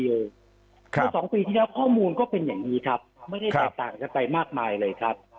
คือ๒ปีที่แล้วข้อมูลก็เป็นอย่างนี้ครับไม่ได้แตกต่างกันไปมากมายเลยครับ